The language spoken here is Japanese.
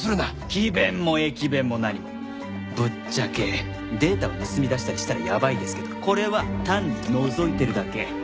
詭弁も駅弁も何もぶっちゃけデータを盗み出したりしたらやばいですけどこれは単にのぞいてるだけ。